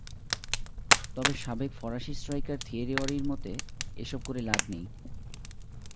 তবে সাবেক ফরাসি স্ট্রাইকার থিয়েরি অরির মতে, এসব করে লাভ নেই।